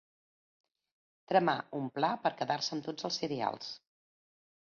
Tramar un pla per quedar-se amb tots els cereals.